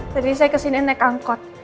tadi saya kesini naik angkot